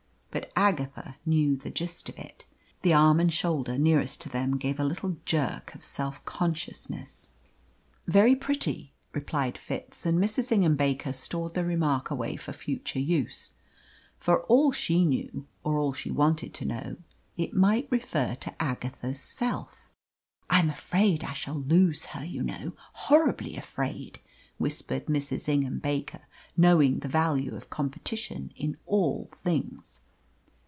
But Agatha knew the gist of it. The arm and shoulder nearest to them gave a little jerk of self consciousness. "Very pretty," replied Fitz; and Mrs. Ingham Baker stored the remark away for future use. For all she knew or all she wanted to know it might refer to Agatha's self. "I am afraid I shall lose her, you know horribly afraid," whispered Mrs. Ingham Baker, knowing the value of competition in all things.